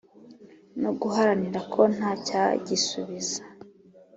No guharanira ko ntacyagisubiza